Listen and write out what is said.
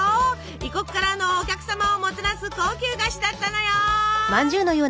異国からのお客様をもてなす高級菓子だったのよ。